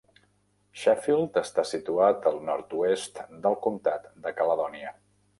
Sheffield està situat al nord-oest del comtat de Caledònia.